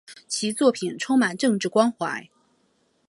其作品充满政治关怀。